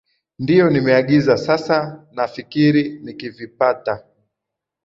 ndio nimeagiza sasa nafikiri nikivipata